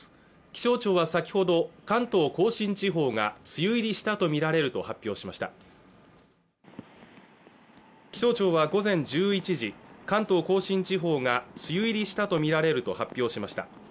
気象庁は先ほど関東甲信地方が梅雨入りしたとみられると発表しました気象庁は午前１１時関東甲信地方が梅雨入りしたとみられると発表しました